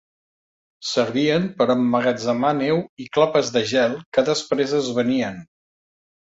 Servien per emmagatzemar neu i clapes de gel que després es venien.